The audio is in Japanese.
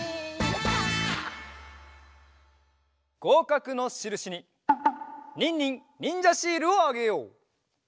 ごうかくのしるしにニンニンにんじゃシールをあげよう！